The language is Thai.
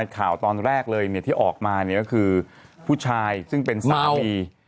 ข่าวตอนแรกเลยที่ออกมาเนี่ยก็คือผู้ชายซึ่งเป็นสามี